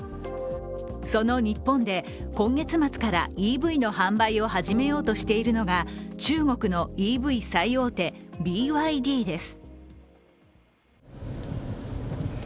その日本で今月末からＥＶの販売を始めようとしているのが中国のＥＶ最大手ＢＹＤです。